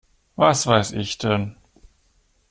Was weiß ich denn?